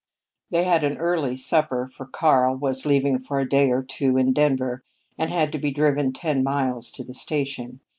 They had an early supper, for Karl was leaving for a day or two in Denver and had to be driven ten miles to the station.